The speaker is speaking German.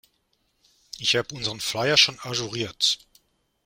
Ich hab unseren Flyer schon ajouriert.